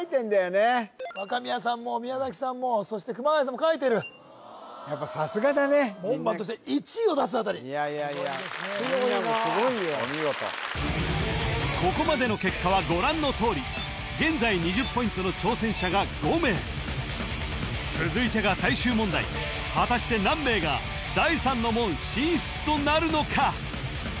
若宮さんも宮さんもそして熊谷さんも書いてるやっぱさすがだねみんなあたりすごいですね強いなみんなもすごいよお見事ここまでの結果はご覧のとおり現在２０ポイントの挑戦者が５名続いてが最終問題果たして何名が第三の門進出となるのか？